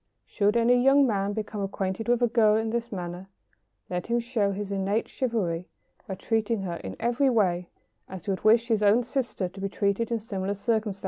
Should any young man become acquainted with a girl in this manner, let him show his innate chivalry by treating her in every way as he would wish his own sister to be treated in similar circumstances.